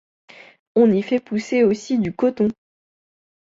On y fait pousser aussi du coton.